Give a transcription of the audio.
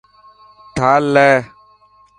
ٿال لي .